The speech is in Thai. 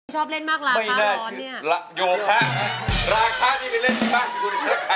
ชอบเล่นมากราคาร้อนนี่